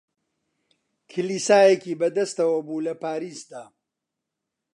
کلیسایەکی بە دەستەوە بوو لە پاریسدا